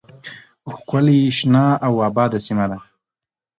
ښکلې شنه او آباده سیمه ده